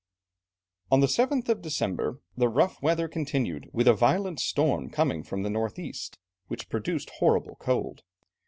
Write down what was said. "On the 7th of December, the rough weather continued, with a violent storm coming from the north east, which produced horrible cold.